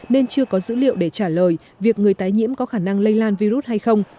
nên chưa có dữ liệu để trả lời việc người tái nhiễm có khả năng lây lan virus hay không